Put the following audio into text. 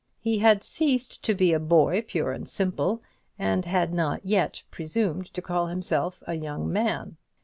He had ceased to be a boy pure and simple, and had not yet presumed to call himself a young man.